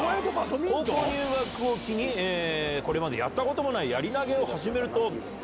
高校入学を機に、これまでやったこともないやり投げを始めると。